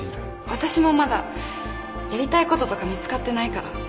私もまだやりたいこととか見つかってないから